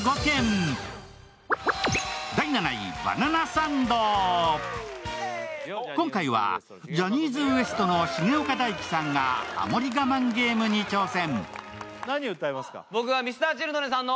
ＳＮＳでは今回はジャニーズＷＥＳＴの重岡大毅さんがハモリ我慢ゲームに挑戦。